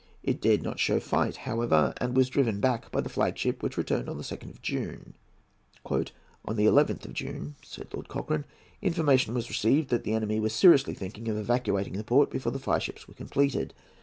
It dared not show fight, however, and was driven back by the flag ship, which returned on the 2nd of June. "On the 11th of June," said Lord Cochrane, "information was received that the enemy was seriously thinking of evacuating the port before the fireships were completed.